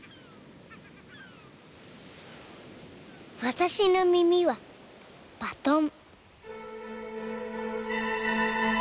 私の耳はバトン。